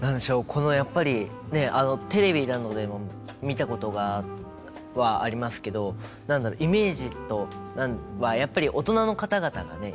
このやっぱりねテレビなどでも見たことはありますけど何だろう？イメージはやっぱり大人の方々がね